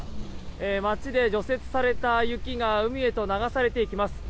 街で除雪された雪が海へと流されていきます。